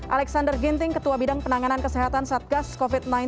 alexander ginting ketua bidang penanganan kesehatan satgas covid sembilan belas